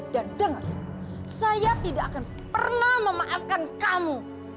dan dengar saya tidak akan pernah memaafkan kamu